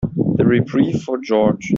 The reprieve for George.